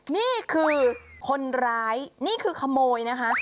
นี่คือคนร้ายนี่คือขโมยนะคะ